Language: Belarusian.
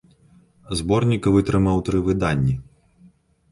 Зборнік вытрымаў тры выданні.